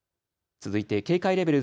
続いて、警戒レベル